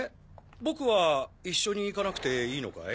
ボクは一緒に行かなくていいのかい？